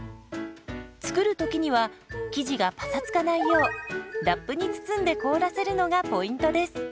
作る時には生地がパサつかないようラップに包んで凍らせるのがポイントです。